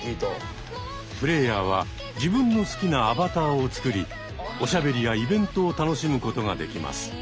プレーヤーは自分の好きなアバターを作りおしゃべりやイベントを楽しむことができます。